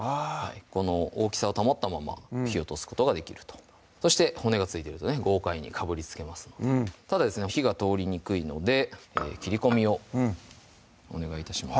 この大きさを保ったまま火を通すことができるとそして骨が付いてるとね豪快にかぶりつけますのでただ火が通りにくいので切り込みをお願い致します